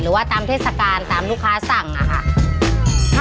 หรือว่าตามเทศกาลตามลูกค้าสั่งอะค่ะ